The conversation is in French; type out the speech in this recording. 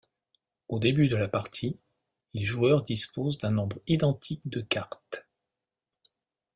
Au début de la partie, les joueurs disposent d'un nombre identique de cartes.